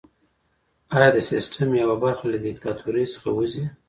ایا د سیستم یوه برخه له دیکتاتورۍ څخه وځي؟